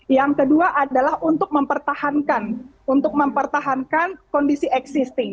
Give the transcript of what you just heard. yang kedua adalah untuk mempertahankan untuk mempertahankan kondisi existing